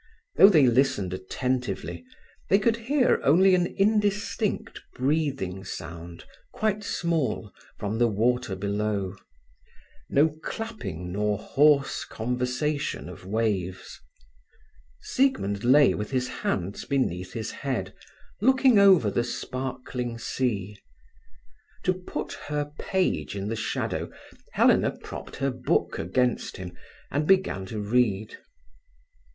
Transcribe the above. Though they listened attentively, they could hear only an indistinct breathing sound, quite small, from the water below: no clapping nor hoarse conversation of waves. Siegmund lay with his hands beneath his head, looking over the sparkling sea. To put her page in the shadow, Helena propped her book against him and began to read.